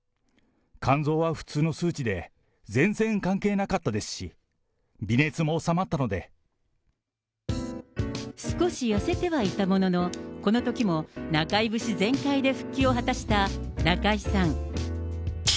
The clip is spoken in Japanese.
肝臓は普通の数値で、全然関係なかったですし、少し痩せてはいたものの、このときも中居節全開で復帰を果たした中居さん。